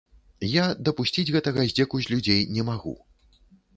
Я дапусціць гэтага здзеку з людзей не магу.